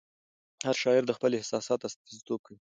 هر شاعر د خپل احساس استازیتوب کوي.